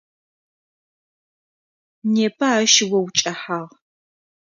Непэ ащ о укӏэхьагъ.